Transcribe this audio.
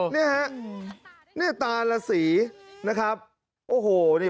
นี่ตาละสี